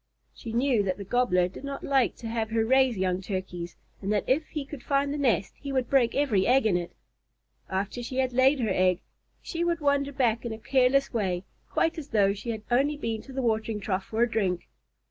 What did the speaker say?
She knew that the Gobbler did not like to have her raise young Turkeys, and that if he could find the nest, he would break every egg in it. After she had laid her egg, she would wander back in a careless way, quite as though she had only been to the watering trough for a drink.